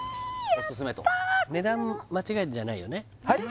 おすすめと値段間違いじゃないよね？